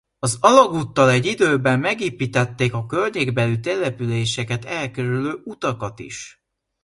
Az alagúttal egy időben megépítették a környékbeli településeket elkerülő utakat is.